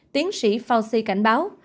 tiến sĩ fauci cảnh báo